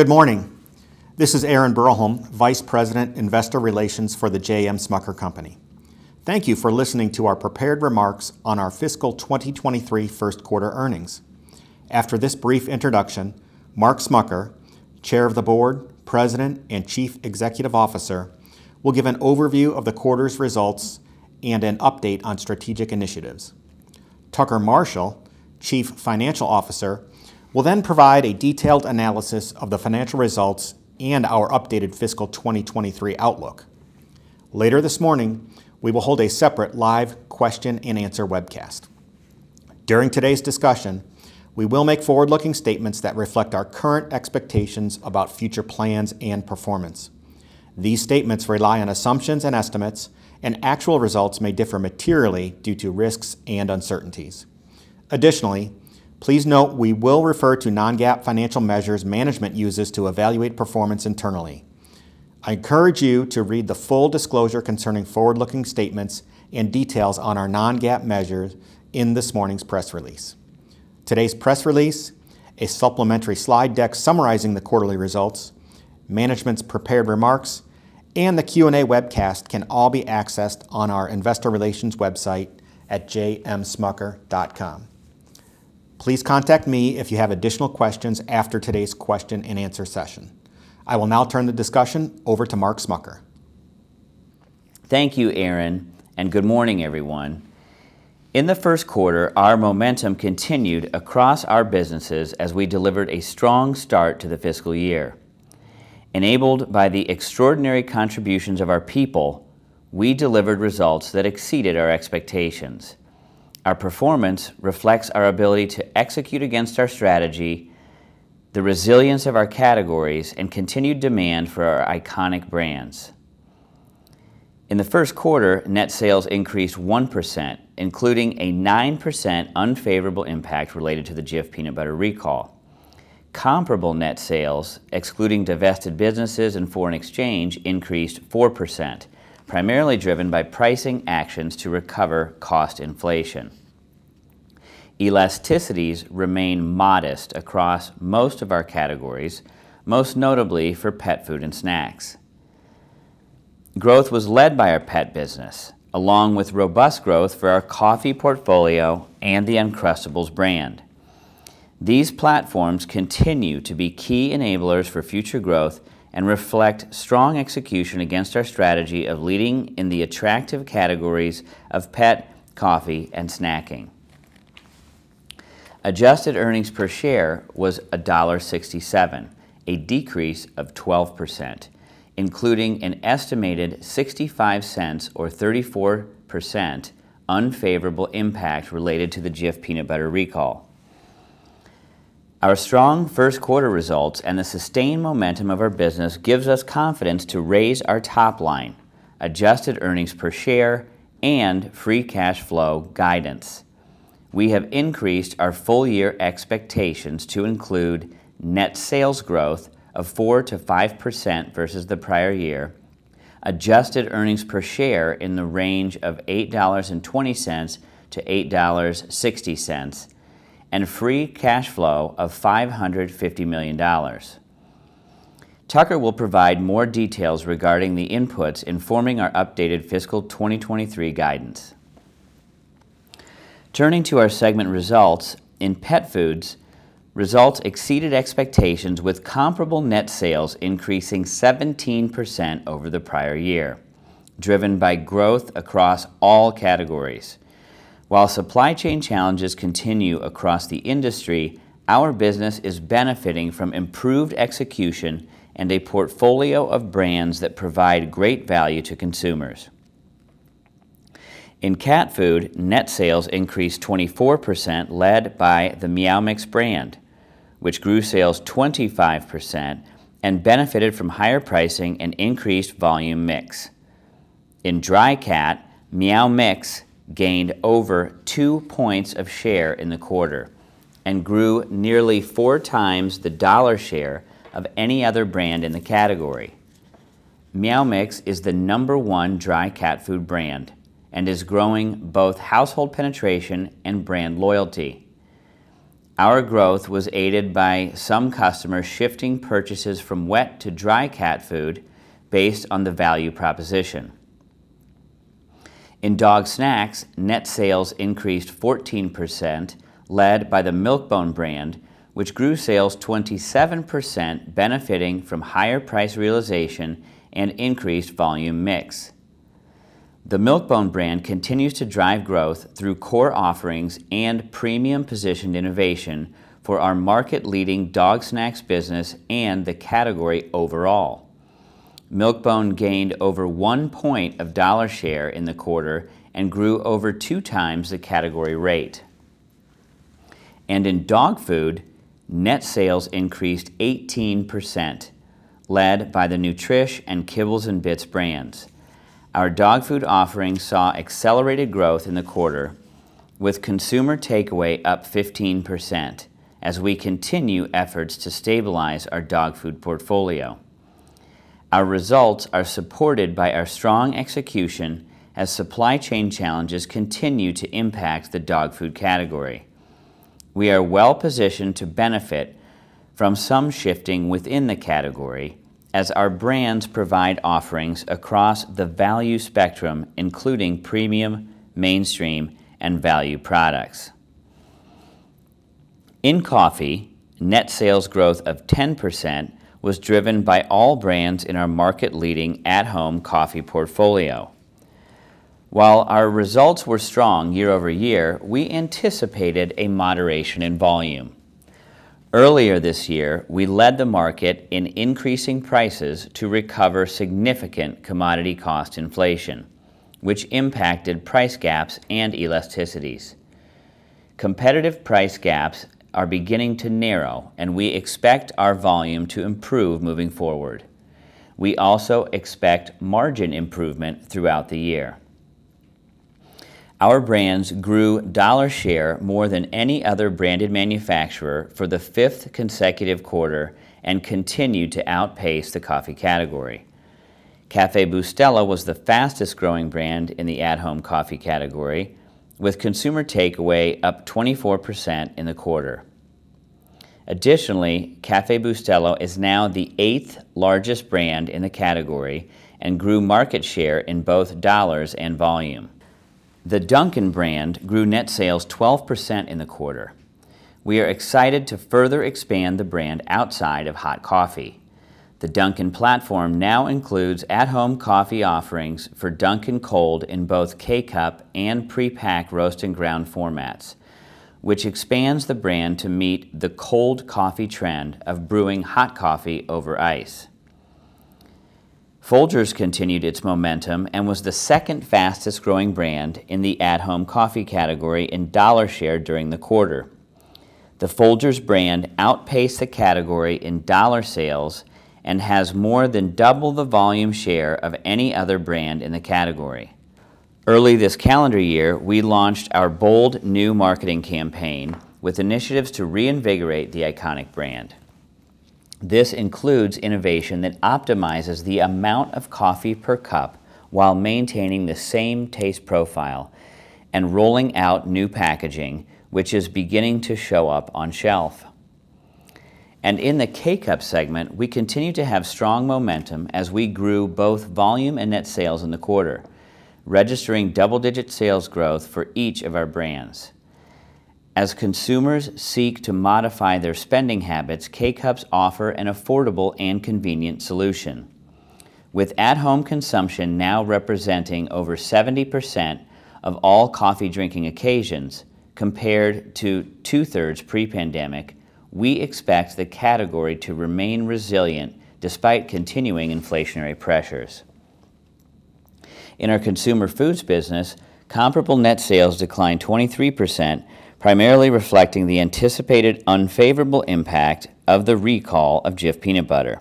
Good morning. This is Aaron Broholm, Vice President, Investor Relations for The J.M. Smucker Co. Thank you for listening to our prepared remarks on our fiscal 2023 first quarter earnings. After this brief introduction, Mark Smucker, Chair of the Board, President, and Chief Executive Officer, will give an overview of the quarter's results and an update on strategic initiatives. Tucker Marshall, Chief Financial Officer, will then provide a detailed analysis of the financial results and our updated fiscal 2023 outlook. Later this morning, we will hold a separate live question and answer webcast. During today's discussion, we will make forward-looking statements that reflect our current expectations about future plans and performance. These statements rely on assumptions and estimates, and actual results may differ materially due to risks and uncertainties. Additionally, please note we will refer to non-GAAP financial measures management uses to evaluate performance internally. I encourage you to read the full disclosure concerning forward-looking statements and details on our non-GAAP measures in this morning's press release. Today's press release, a supplementary slide deck summarizing the quarterly results, management's prepared remarks, and the Q&A webcast can all be accessed on our investor relations website at jmsmucker.com. Please contact me if you have additional questions after today's question and answer session. I will now turn the discussion over to Mark Smucker. Thank you, Aaron, and good morning, everyone. In the first quarter, our momentum continued across our businesses as we delivered a strong start to the fiscal year. Enabled by the extraordinary contributions of our people, we delivered results that exceeded our expectations. Our performance reflects our ability to execute against our strategy, the resilience of our categories, and continued demand for our iconic brands. In the first quarter, net sales increased 1%, including a 9% unfavorable impact related to the Jif peanut butter recall. Comparable net sales, excluding divested businesses and foreign exchange, increased 4%, primarily driven by pricing actions to recover cost inflation. Elasticities remain modest across most of our categories, most notably for pet food and snacks. Growth was led by our pet business, along with robust growth for our coffee portfolio and the Uncrustables brand. These platforms continue to be key enablers for future growth and reflect strong execution against our strategy of leading in the attractive categories of pet, coffee, and snacking. Adjusted earnings per share was $1.67, a decrease of 12%, including an estimated $0.65 or 34% unfavorable impact related to the Jif peanut butter recall. Our strong first quarter results and the sustained momentum of our business gives us confidence to raise our top line, adjusted earnings per share, and free cash flow guidance. We have increased our full year expectations to include net sales growth of 4%-5% versus the prior year, adjusted earnings per share in the range of $8.20-$8.60, and free cash flow of $550 million. Tucker will provide more details regarding the inputs informing our updated fiscal 2023 guidance. Turning to our segment results, in pet foods, results exceeded expectations with comparable net sales increasing 17% over the prior year, driven by growth across all categories. While supply chain challenges continue across the industry, our business is benefiting from improved execution and a portfolio of brands that provide great value to consumers. In cat food, net sales increased 24% led by the Meow Mix brand, which grew sales 25% and benefited from higher pricing and increased volume mix. In dry cat, Meow Mix gained over two points of share in the quarter and grew nearly 4x the dollar share of any other brand in the category. Meow Mix is the number one dry cat food brand and is growing both household penetration and brand loyalty. Our growth was aided by some customers shifting purchases from wet to dry cat food based on the value proposition. In dog snacks, net sales increased 14% led by the Milk-Bone brand, which grew sales 27% benefiting from higher price realization and increased volume mix. The Milk-Bone brand continues to drive growth through core offerings and premium positioned innovation for our market leading dog snacks business and the category overall. Milk-Bone gained over one point of dollar share in the quarter and grew over 2x the category rate. In dog food, net sales increased 18% led by the Nutrish and Kibbles 'n Bits brands. Our dog food offering saw accelerated growth in the quarter with consumer takeaway up 15% as we continue efforts to stabilize our dog food portfolio. Our results are supported by our strong execution as supply chain challenges continue to impact the dog food category. We are well-positioned to benefit from some shifting within the category as our brands provide offerings across the value spectrum, including premium, mainstream, and value products. In coffee, net sales growth of 10% was driven by all brands in our market leading at home coffee portfolio. While our results were strong year-over-year, we anticipated a moderation in volume. Earlier this year, we led the market in increasing prices to recover significant commodity cost inflation, which impacted price gaps and elasticities. Competitive price gaps are beginning to narrow, and we expect our volume to improve moving forward. We also expect margin improvement throughout the year. Our brands grew dollar share more than any other branded manufacturer for the fifth consecutive quarter and continued to outpace the coffee category. Café Bustelo was the fastest-growing brand in the at-home coffee category, with consumer takeaway up 24% in the quarter. Additionally, Café Bustelo is now the eighth-largest brand in the category and grew market share in both dollars and volume. The Dunkin' brand grew net sales 12% in the quarter. We are excited to further expand the brand outside of hot coffee. The Dunkin' platform now includes at-home coffee offerings for Dunkin' Cold in both K-Cup and pre-packed roast and ground formats, which expands the brand to meet the cold coffee trend of brewing hot coffee over ice. Folgers continued its momentum and was the second fastest-growing brand in the at-home coffee category in dollar share during the quarter. The Folgers brand outpaced the category in dollar sales and has more than double the volume share of any other brand in the category. Early this calendar year, we launched our bold new marketing campaign with initiatives to reinvigorate the iconic brand. This includes innovation that optimizes the amount of coffee per cup while maintaining the same taste profile and rolling out new packaging, which is beginning to show up on shelf. In the K-Cup segment, we continue to have strong momentum as we grew both volume and net sales in the quarter, registering double-digit sales growth for each of our brands. As consumers seek to modify their spending habits, K-Cups offer an affordable and convenient solution. With at-home consumption now representing over 70% of all coffee drinking occasions, compared to two-thirds pre-pandemic, we expect the category to remain resilient despite continuing inflationary pressures. In our consumer foods business, comparable net sales declined 23%, primarily reflecting the anticipated unfavorable impact of the recall of Jif peanut butter.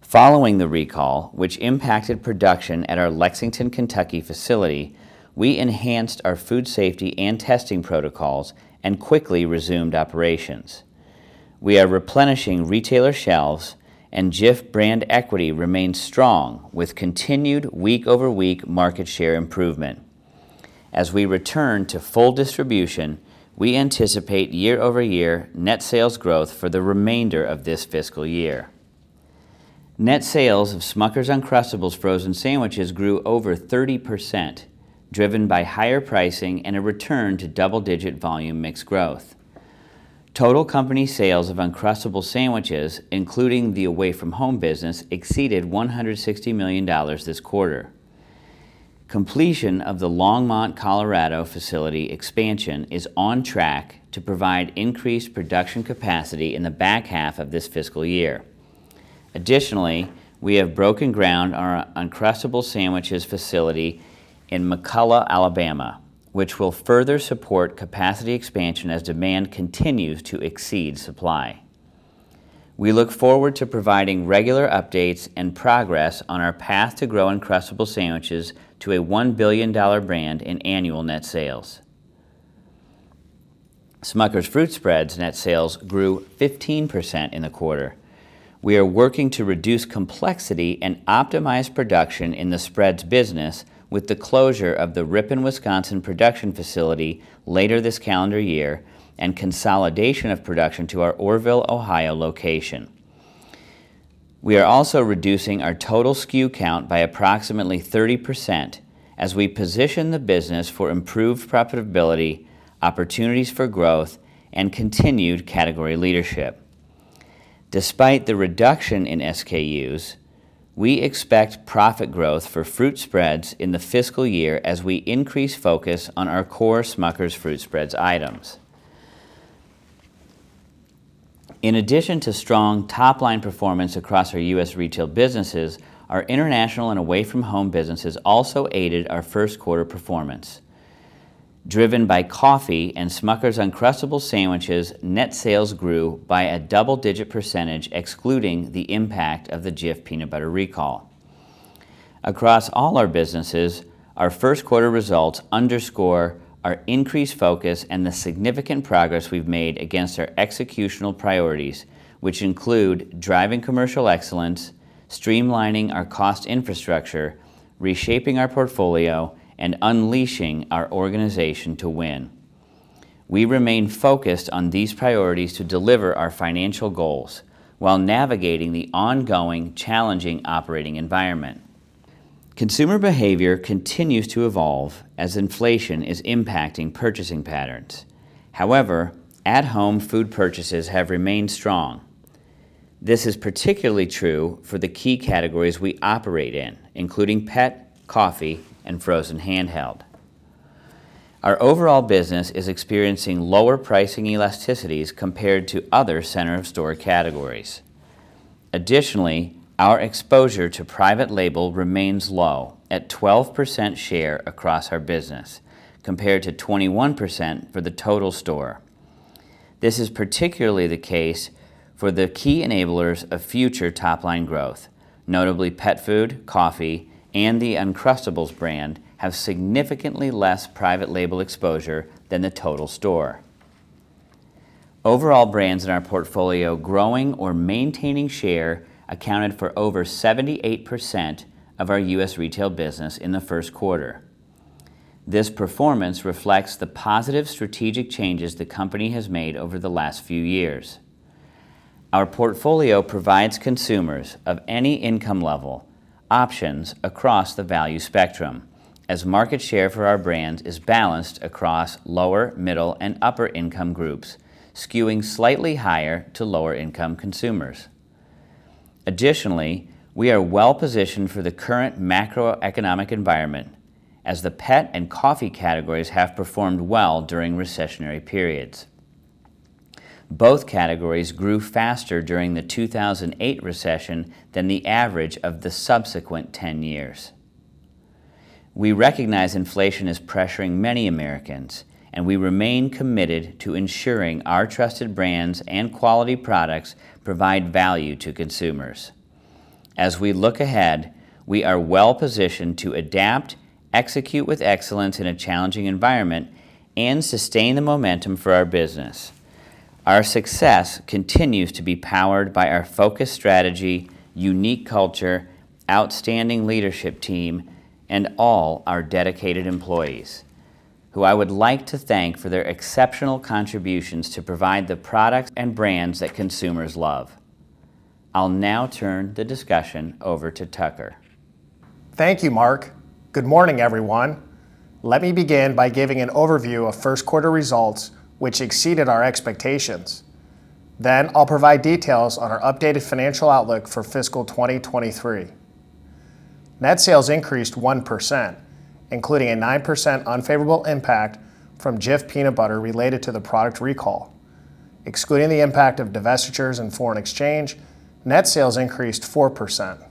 Following the recall, which impacted production at our Lexington, Kentucky facility, we enhanced our food safety and testing protocols and quickly resumed operations. We are replenishing retailer shelves, and Jif brand equity remains strong with continued week-over-week market share improvement. As we return to full distribution, we anticipate year-over-year net sales growth for the remainder of this fiscal year. Net sales of Smucker's Uncrustables frozen sandwiches grew over 30%, driven by higher pricing and a return to double-digit volume mix growth. Total company sales of Uncrustables sandwiches, including the away-from-home business, exceeded $160 million this quarter. Completion of the Longmont, Colorado facility expansion is on track to provide increased production capacity in the back half of this fiscal year. Additionally, we have broken ground on our Uncrustables facility in McCalla, Alabama, which will further support capacity expansion as demand continues to exceed supply. We look forward to providing regular updates and progress on our path to grow Uncrustables sandwiches to a $1 billion brand in annual net sales. Smucker's fruit spreads net sales grew 15% in the quarter. We are working to reduce complexity and optimize production in the spreads business with the closure of the Ripon, Wisconsin production facility later this calendar year and consolidation of production to our Orrville, Ohio location. We are also reducing our total SKU count by approximately 30% as we position the business for improved profitability, opportunities for growth, and continued category leadership. Despite the reduction in SKUs, we expect profit growth for fruit spreads in the fiscal year as we increase focus on our core Smucker's fruit spreads items. In addition to strong top-line performance across our U.S. retail businesses, our International and Away From Home businesses also aided our first quarter performance. Driven by coffee and Smucker's Uncrustables sandwiches, net sales grew by a double-digit percentage, excluding the impact of the Jif peanut butter recall. Across all our businesses, our first quarter results underscore our increased focus and the significant progress we've made against our executional priorities, which include driving commercial excellence, streamlining our cost infrastructure, reshaping our portfolio, and unleashing our organization to win. We remain focused on these priorities to deliver our financial goals while navigating the ongoing challenging operating environment. Consumer behavior continues to evolve as inflation is impacting purchasing patterns. However, at-home food purchases have remained strong. This is particularly true for the key categories we operate in, including pet, coffee, and frozen handheld. Our overall business is experiencing lower pricing elasticities compared to other center-of-store categories. Additionally, our exposure to private label remains low at 12% share across our business, compared to 21% for the total store. This is particularly the case for the key enablers of future top line growth. Notably, pet food, coffee, and the Uncrustables brand have significantly less private label exposure than the total store. Overall, brands in our portfolio growing or maintaining share accounted for over 78% of our U.S. retail business in the first quarter. This performance reflects the positive strategic changes the company has made over the last few years. Our portfolio provides consumers of any income level options across the value spectrum as market share for our brands is balanced across lower, middle, and upper income groups, skewing slightly higher to lower income consumers. Additionally, we are well-positioned for the current macroeconomic environment as the pet and coffee categories have performed well during recessionary periods. Both categories grew faster during the 2008 recession than the average of the subsequent 10 years. We recognize inflation is pressuring many Americans, and we remain committed to ensuring our trusted brands and quality products provide value to consumers. As we look ahead, we are well-positioned to adapt, execute with excellence in a challenging environment, and sustain the momentum for our business. Our success continues to be powered by our focused strategy, unique culture, outstanding leadership team, and all our dedicated employees who I would like to thank for their exceptional contributions to provide the products and brands that consumers love. I'll now turn the discussion over to Tucker. Thank you, Mark. Good morning, everyone. Let me begin by giving an overview of first quarter results, which exceeded our expectations. I'll provide details on our updated financial outlook for fiscal 2023. Net sales increased 1%, including a 9% unfavorable impact from Jif Peanut Butter related to the product recall. Excluding the impact of divestitures and foreign exchange, net sales increased 4%.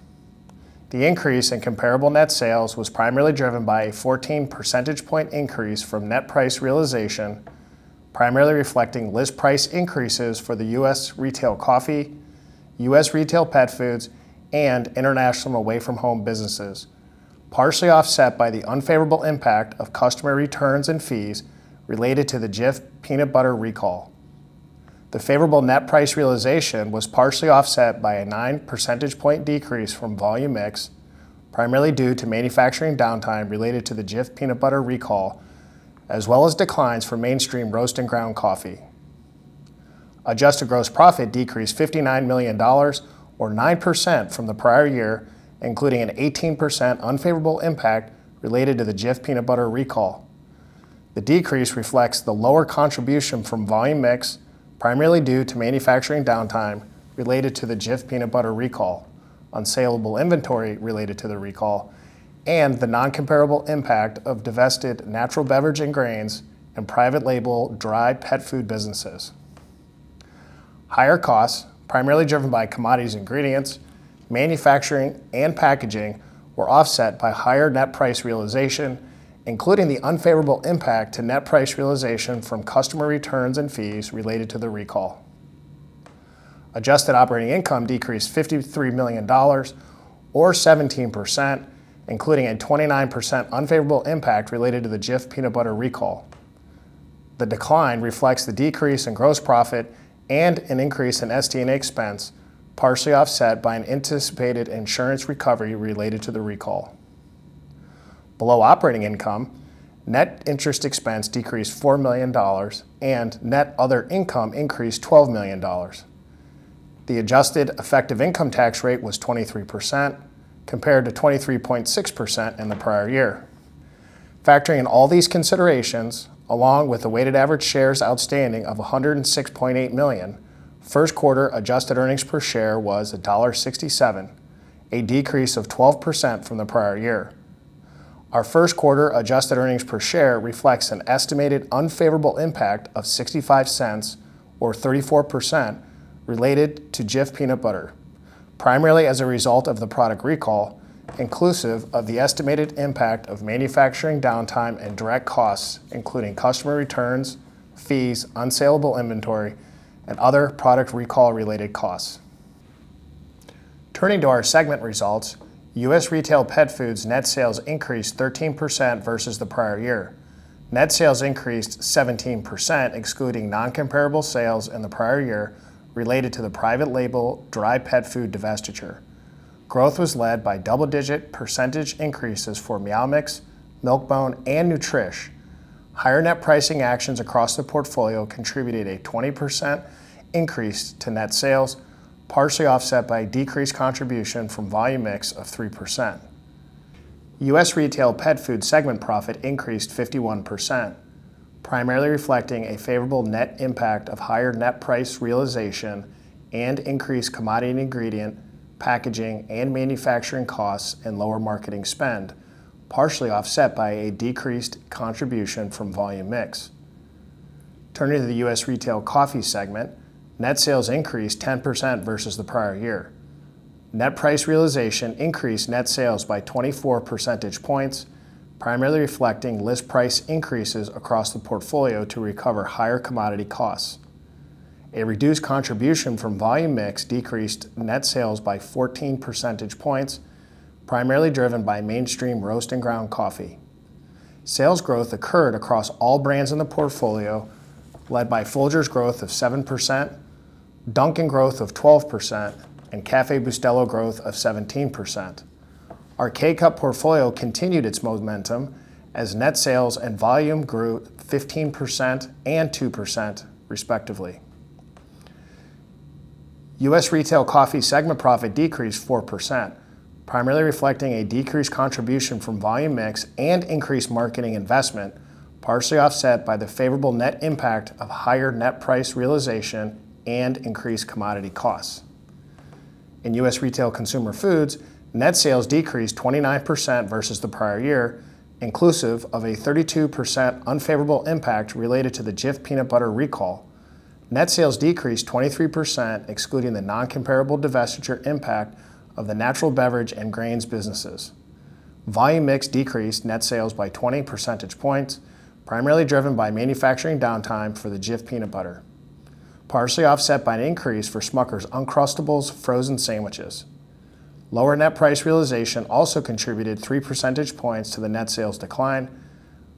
The increase in comparable net sales was primarily driven by a 14 percentage point increase from net price realization, primarily reflecting list price increases for the U.S. Retail Coffee, U.S. Retail Pet Foods, and International and Away From Home businesses, partially offset by the unfavorable impact of customer returns and fees related to the Jif Peanut Butter recall. The favorable net price realization was partially offset by a 9 percentage point decrease from volume mix, primarily due to manufacturing downtime related to the Jif Peanut Butter recall, as well as declines for mainstream roast and ground coffee. Adjusted gross profit decreased $59 million or 9% from the prior year, including an 18% unfavorable impact related to the Jif Peanut Butter recall. The decrease reflects the lower contribution from volume mix, primarily due to manufacturing downtime related to the Jif Peanut Butter recall, unsaleable inventory related to the recall, and the non-comparable impact of divested natural beverage and grains and private label dried pet food businesses. Higher costs, primarily driven by commodities ingredients, manufacturing, and packaging, were offset by higher net price realization, including the unfavorable impact to net price realization from customer returns and fees related to the recall. Adjusted operating income decreased $53 million or 17%, including a 29% unfavorable impact related to the Jif Peanut Butter recall. The decline reflects the decrease in gross profit and an increase in SD&A expense, partially offset by an anticipated insurance recovery related to the recall. Below operating income, net interest expense decreased $4 million and net other income increased $12 million. The adjusted effective income tax rate was 23%, compared to 23.6% in the prior year. Factoring in all these considerations, along with the weighted average shares outstanding of 106.8 million, first quarter adjusted earnings per share was $1.67, a decrease of 12% from the prior year. Our first quarter adjusted earnings per share reflects an estimated unfavorable impact of $0.65 or 34% related to Jif Peanut Butter, primarily as a result of the product recall, inclusive of the estimated impact of manufacturing downtime and direct costs, including customer returns, fees, unsaleable inventory, and other product recall related costs. Turning to our segment results, U.S. Retail Pet Foods' net sales increased 13% versus the prior year. Net sales increased 17%, excluding non-comparable sales in the prior year related to the private label dry pet food divestiture. Growth was led by double-digit percentage increases for Meow Mix, Milk-Bone, and Nutrish. Higher net pricing actions across the portfolio contributed a 20% increase to net sales, partially offset by decreased contribution from volume mix of 3%. U.S. Retail Pet Foods segment profit increased 51%, primarily reflecting a favorable net impact of higher net price realization and increased commodity and ingredient, packaging, and manufacturing costs and lower marketing spend, partially offset by a decreased contribution from volume mix. Turning to the U.S. Retail Coffee segment, net sales increased 10% versus the prior year. Net price realization increased net sales by 24 percentage points, primarily reflecting list price increases across the portfolio to recover higher commodity costs. A reduced contribution from volume mix decreased net sales by 14 percentage points, primarily driven by mainstream roast and ground coffee. Sales growth occurred across all brands in the portfolio, led by Folgers growth of 7%, Dunkin' growth of 12%, and Café Bustelo growth of 17%. Our K-Cup portfolio continued its momentum as net sales and volume grew 15% and 2% respectively. U.S. Retail Coffee segment profit decreased 4%, primarily reflecting a decreased contribution from volume mix and increased marketing investment, partially offset by the favorable net impact of higher net price realization and increased commodity costs. In U.S. Retail Consumer Foods, net sales decreased 29% versus the prior year, inclusive of a 32% unfavorable impact related to the Jif peanut butter recall. Net sales decreased 23%, excluding the non-comparable divestiture impact of the natural beverage and grains businesses. Volume mix decreased net sales by 20 percentage points, primarily driven by manufacturing downtime for the Jif peanut butter, partially offset by an increase for Smucker's Uncrustables frozen sandwiches. Lower net price realization also contributed 3 percentage points to the net sales decline,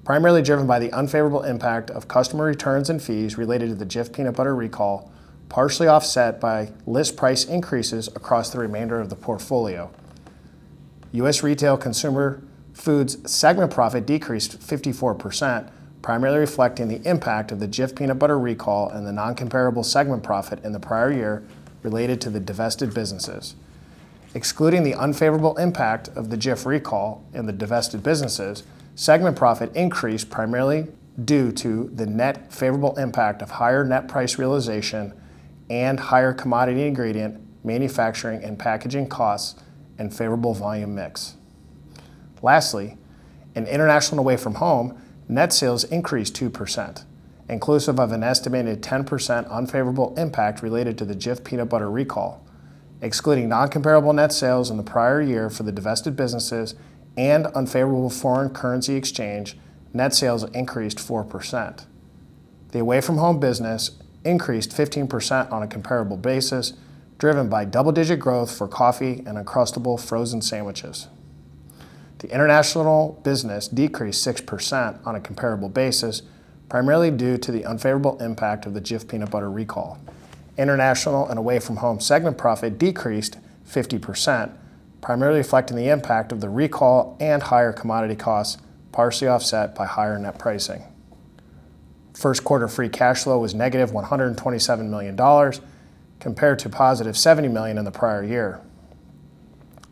primarily driven by the unfavorable impact of customer returns and fees related to the Jif Peanut Butter recall, partially offset by list price increases across the remainder of the portfolio. U.S. Retail Consumer Foods segment profit decreased 54%, primarily reflecting the impact of the Jif Peanut Butter recall and the non-comparable segment profit in the prior year related to the divested businesses. Excluding the unfavorable impact of the Jif recall and the divested businesses, segment profit increased primarily due to the net favorable impact of higher net price realization and higher commodity ingredient manufacturing and packaging costs and favorable volume mix. Lastly, in International and Away From Home, net sales increased 2%, inclusive of an estimated 10% unfavorable impact related to the Jif Peanut Butter recall. Excluding non-comparable net sales in the prior year for the divested businesses and unfavorable foreign currency exchange, net sales increased 4%. The Away From Home business increased 15% on a comparable basis, driven by double-digit growth for coffee and Uncrustables frozen sandwiches. The International business decreased 6% on a comparable basis, primarily due to the unfavorable impact of the Jif peanut butter recall. International and Away From Home segment profit decreased 50%, primarily reflecting the impact of the recall and higher commodity costs, partially offset by higher net pricing. First quarter free cash flow was negative $127 million compared to positive $70 million in the prior year.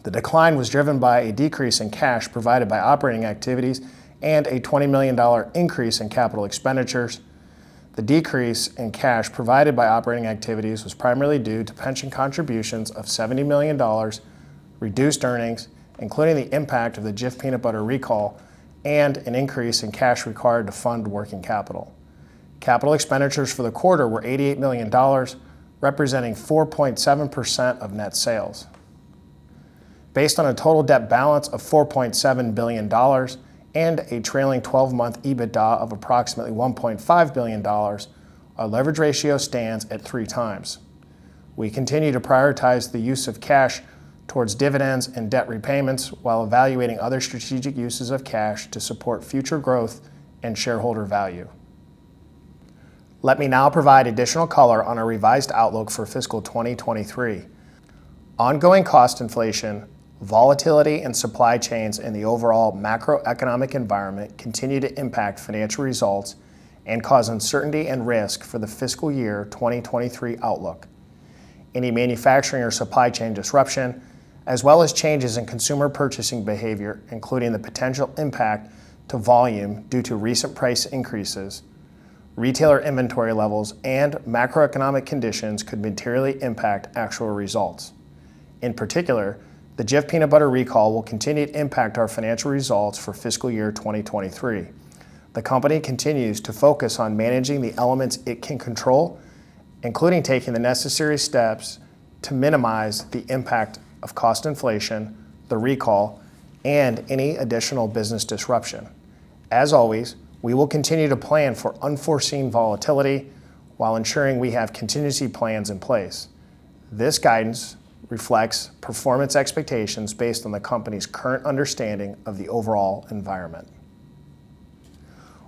The decline was driven by a decrease in cash provided by operating activities and a $20 million increase in capital expenditures. The decrease in cash provided by operating activities was primarily due to pension contributions of $70 million, reduced earnings, including the impact of the Jif Peanut Butter recall, and an increase in cash required to fund working capital. Capital expenditures for the quarter were $88 million, representing 4.7% of net sales. Based on a total debt balance of $4.7 billion and a trailing twelve-month EBITDA of approximately $1.5 billion, our leverage ratio stands at 3x. We continue to prioritize the use of cash towards dividends and debt repayments while evaluating other strategic uses of cash to support future growth and shareholder value. Let me now provide additional color on our revised outlook for fiscal 2023. Ongoing cost inflation, volatility in supply chains, and the overall macroeconomic environment continue to impact financial results and cause uncertainty and risk for the fiscal year 2023 outlook. Any manufacturing or supply chain disruption, as well as changes in consumer purchasing behavior, including the potential impact to volume due to recent price increases, retailer inventory levels, and macroeconomic conditions could materially impact actual results. In particular, the Jif peanut butter recall will continue to impact our financial results for fiscal year 2023. The company continues to focus on managing the elements it can control, including taking the necessary steps to minimize the impact of cost inflation, the recall, and any additional business disruption. As always, we will continue to plan for unforeseen volatility while ensuring we have contingency plans in place. This guidance reflects performance expectations based on the company's current understanding of the overall environment.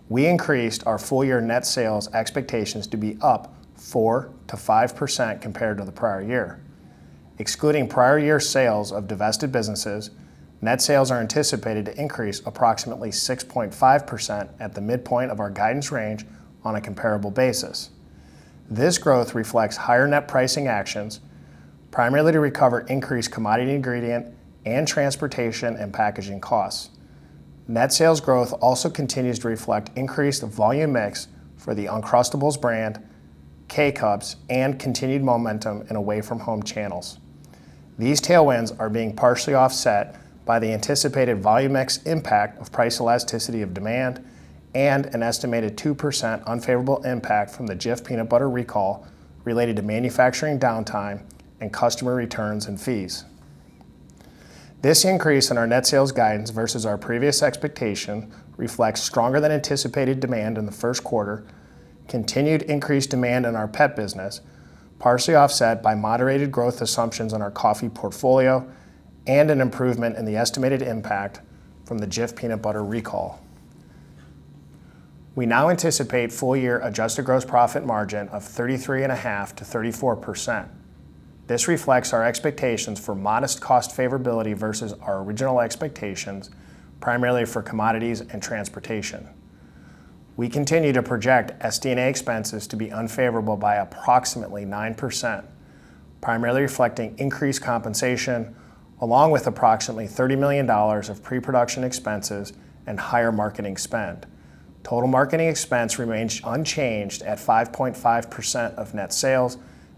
We increased our full year net sales expectations to be up 4%-5% compared to the prior year. Excluding prior year sales of divested businesses, net sales are anticipated to increase approximately 6.5% at the midpoint of our guidance range on a comparable basis. This growth reflects higher net pricing actions, primarily to recover increased commodity ingredient and transportation and packaging costs. Net sales growth also continues to reflect increased volume mix for the Uncrustables brand, K-Cups, and continued momentum in away-from-home channels. These tailwinds are being partially offset by the anticipated volume mix impact of price elasticity of demand and an estimated 2% unfavorable impact from the Jif peanut butter recall related to manufacturing downtime and customer returns and fees. This increase in our net sales guidance versus our previous expectation reflects stronger than anticipated demand in the first quarter, continued increased demand in our pet business, partially offset by moderated growth assumptions on our coffee portfolio and an improvement in the estimated impact from the Jif peanut butter recall. We now anticipate full year adjusted gross profit margin of 33.5%-34%. This reflects our expectations for modest cost favorability versus our original expectations, primarily for commodities and transportation. We continue to project SD&A expenses to be unfavorable by approximately 9%, primarily reflecting increased compensation along with approximately $30 million of pre-production expenses and higher marketing spend. Total marketing expense remains unchanged at 5.5% of net sales,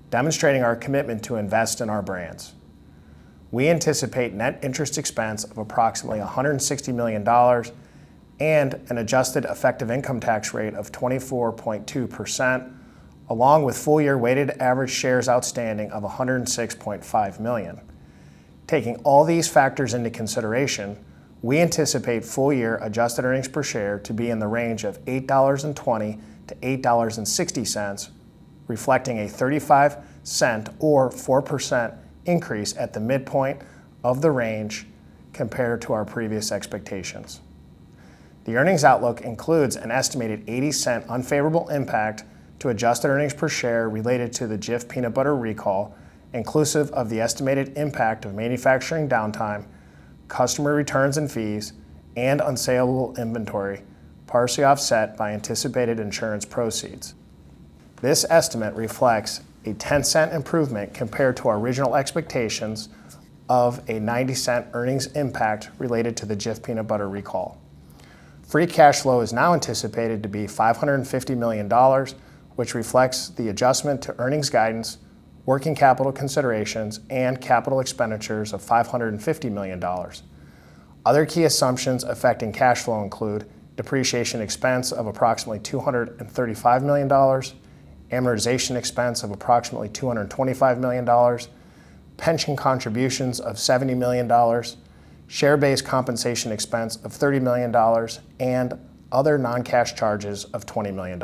demonstrating our commitment to invest in our brands. We anticipate net interest expense of approximately $160 million and an adjusted effective income tax rate of 24.2% along with full-year weighted average shares outstanding of 106.5 million. Taking all these factors into consideration, we anticipate full-year adjusted earnings per share to be in the range of $8.20-$8.60, reflecting a $0.35 or 4% increase at the midpoint of the range compared to our previous expectations. The earnings outlook includes an estimated $0.80 unfavorable impact to adjusted earnings per share related to the Jif Peanut Butter recall, inclusive of the estimated impact of manufacturing downtime, customer returns and fees, and unsaleable inventory, partially offset by anticipated insurance proceeds. This estimate reflects a $0.10 improvement compared to our original expectations of a $0.90 earnings impact related to the Jif Peanut Butter recall. Free cash flow is now anticipated to be $550 million, which reflects the adjustment to earnings guidance, working capital considerations, and capital expenditures of $550 million. Other key assumptions affecting cash flow include depreciation expense of approximately $235 million, amortization expense of approximately $225 million, pension contributions of $70 million, share-based compensation expense of $30 million, and other non-cash charges of $20 million.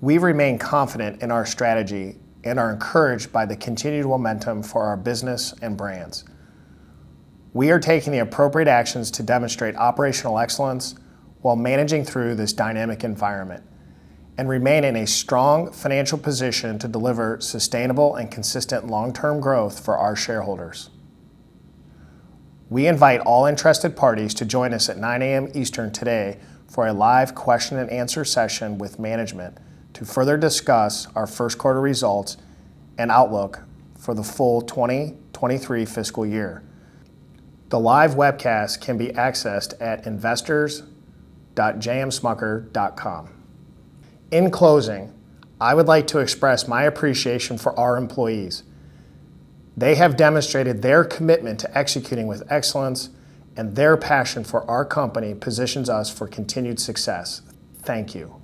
We remain confident in our strategy and are encouraged by the continued momentum for our business and brands. We are taking the appropriate actions to demonstrate operational excellence while managing through this dynamic environment and remain in a strong financial position to deliver sustainable and consistent long-term growth for our shareholders. We invite all interested parties to join us at 9:00 A.M. Eastern today for a live question and answer session with management to further discuss our first quarter results and outlook for the full 2023 fiscal year. The live webcast can be accessed at investors.jmsmucker.com. In closing, I would like to express my appreciation for our employees. They have demonstrated their commitment to executing with excellence, and their passion for our company positions us for continued success. Thank you.